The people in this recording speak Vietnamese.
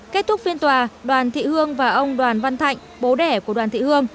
kết thúc phiên tòa đoàn thị hương và ông đoàn văn thạnh bố đẻ của đoàn thị hương